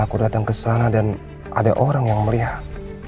aku datang kesana dan ada orang yang melihat